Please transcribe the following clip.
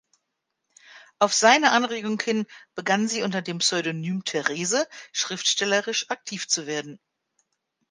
Auf seine Anregung hin begann sie unter dem Pseudonym „Therese“ schriftstellerisch aktiv zu werden.